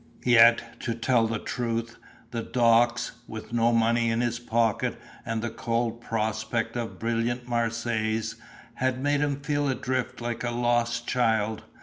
Yet, to tell the truth, the docks, with no money in his pocket and the cold prospect of brilliant Marseilles, had made him feel adrift like a lost child.